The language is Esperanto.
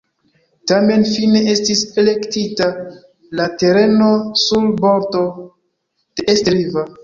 Tamen fine estis elektita la tereno sur bordo de East River.